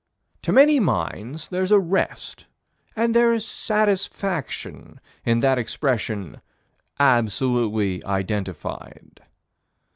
To many minds there's rest and there's satisfaction in that expression "absolutely identified."